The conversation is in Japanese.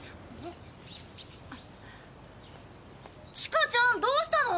チカちゃんどうしたの？